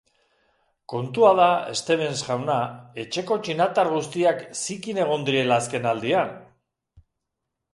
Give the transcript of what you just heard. Kontua da, Stevens jauna, etxeko txinatar guztiak zikin egon direla azkenaldian!